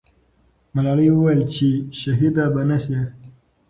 ملالۍ وویل چې شهیده به نه سي.